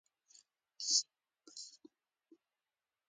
بانکي حساب د پیسو ساتلو خوندي ځای دی.